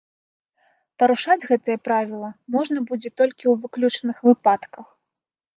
Парушаць гэтае правіла можна будзе толькі ў выключных выпадках.